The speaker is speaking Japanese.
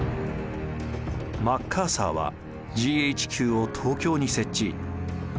マッカーサーはＧＨＱを東京に設置。